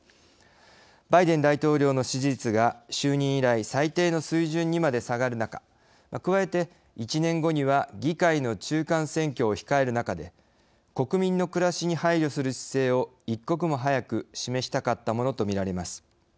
バイデン大統領の支持率が就任以来最低の水準にまで下がる中加えて１年後には議会の中間選挙を控える中で国民の暮らしに配慮する姿勢を一刻も早く示したかったものとみられます。